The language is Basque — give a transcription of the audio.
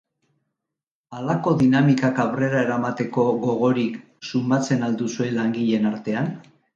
Halako dinamikak aurrera eramateko gogorik sumatzen al duzue langileen artean?